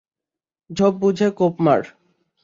ঝোপ বুঝে কোপ মার।